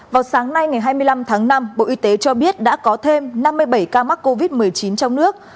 vào sáng nay ngày hai mươi năm tháng năm bộ y tế cho biết đã có thêm năm mươi bảy ca mắc covid một mươi chín trong nước